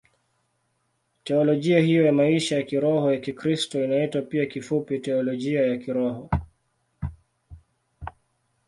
Teolojia hiyo ya maisha ya kiroho ya Kikristo inaitwa pia kifupi Teolojia ya Kiroho.